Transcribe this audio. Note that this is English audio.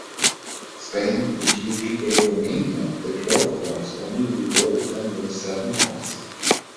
Spain, which usually gave Romania their twelve points only rewarded them with seven points.